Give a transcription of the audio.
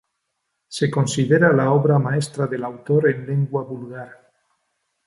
Se considera la obra maestra del autor en lengua vulgar.